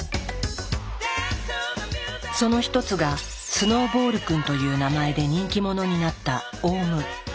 その一つがスノーボールくんという名前で人気者になったオウム。